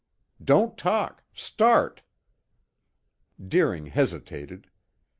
Don't talk. Start!" Deering hesitated.